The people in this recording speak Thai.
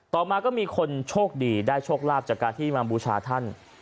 ต่อมาก็มีคนโชคดีได้โชคลาภจากการที่มาบูชาท่าน